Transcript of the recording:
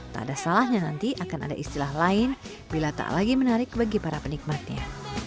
tak ada salahnya nanti akan ada istilah lain bila tak lagi menarik bagi para penikmatnya